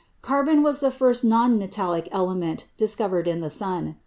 Carbon was the first non metallic element discovered in the sun.